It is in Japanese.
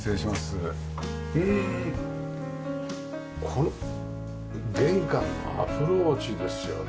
これ玄関のアプローチですよね。